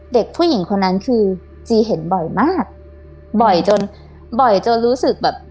เด็กผู้หญิงคนนั้นคือจีเห็นบ่อยมากบ่อยจนบ่อยจนรู้สึกแบบ